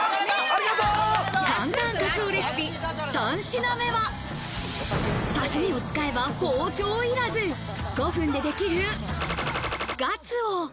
簡単カツオレシピ３品目は、刺身を使えば包丁いらず５分でできる○○ガツオ。